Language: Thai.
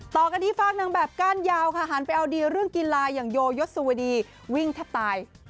ต่อกันที่ฝากนางแบบก้านยาวค่ะหันไปเอาดีเรื่องกีฬาอย่างโยยศวดีวิ่งแทบตาย